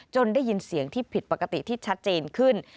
ได้ยินเสียงที่ผิดปกติที่ชัดเจนขึ้น